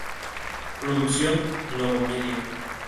Sus hijos se vistieron con ropa tradicional galesa y druida.